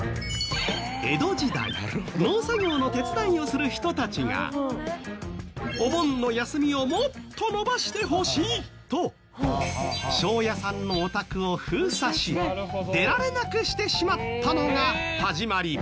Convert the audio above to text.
農作業の手伝いをする人たちがお盆の休みをもっと延ばしてほしいと庄屋さんのお宅を封鎖し出られなくしてしまったのが始まり。